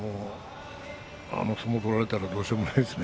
あの相撲を取られたらどうしようもないですね。